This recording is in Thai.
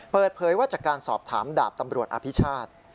เปิดเผยว่าจากการสอบถามดาบตำรวจอภิชาติ